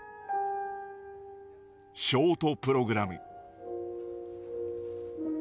ショートプログラム。